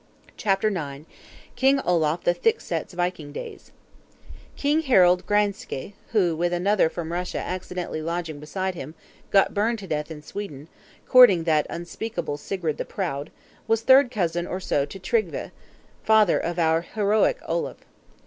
CHAPTER IX. KING OLAF THE THICK SET'S VIKING DAYS King Harald Graenske, who, with another from Russia accidentally lodging beside him, got burned to death in Sweden, courting that unspeakable Sigrid the Proud, was third cousin or so to Tryggve, father of our heroic Olaf.